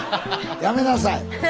やめなさい！